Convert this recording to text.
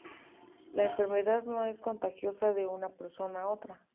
La enfermedad no es contagiosa de una persona a otra.